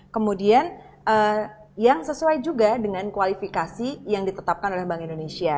kemudian yang sesuai juga dengan kualifikasi yang ditetapkan oleh bank indonesia